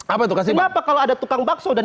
apa tuh kasih pak kenapa kalau ada tukang bakso dan